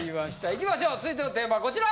いきましょう続いてのテーマこちら。